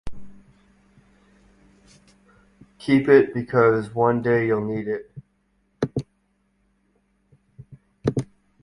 Keep it because one day you'll need it.